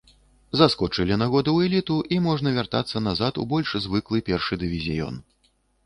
Заскочылі на год у эліту і можна вяртацца назад у больш звыклы першы дывізіён.